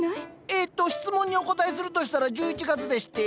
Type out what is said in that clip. えっと質問にお答えするとしたら１１月でして。